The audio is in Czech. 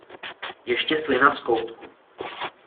Ještě slina z koutku.